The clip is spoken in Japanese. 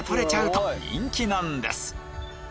と人気なんです